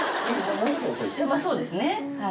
そうですねまだ。